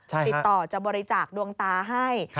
ติดต่อจะบริจาคดวงตาให้